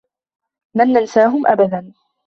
لن ننساهم أبدا.